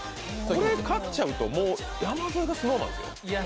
これ勝っちゃうと、山添がＳｎｏｗＭａｎですよ。